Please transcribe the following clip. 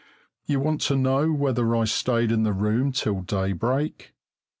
You want to know whether I stayed in the room till daybreak?